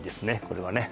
これはね